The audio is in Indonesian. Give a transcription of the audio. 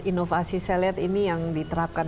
inovasi saya lihat ini yang diterapkan